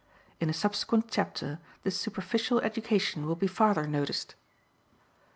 In a subsequent chapter, this superficial education will be farther noticed.